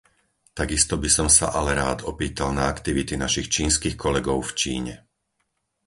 Takisto by som sa ale rád opýtal na aktivity našich čínskych kolegov v Číne.